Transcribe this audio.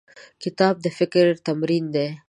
کتاب د فکر تمرین دی.